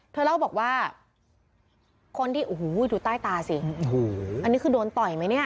เธอเล่าบอกว่าคนที่โอ้โหดูใต้ตาสิโอ้โหอันนี้คือโดนต่อยไหมเนี่ย